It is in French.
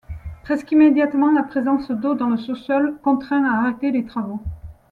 Presqu'immédiatement la présence d’eau dans le sous-sol contraint à arrêter les travaux.